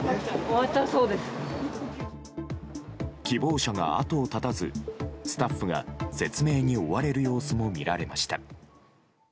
希望者が後を絶たずスタッフが説明に追われる様子も見られました。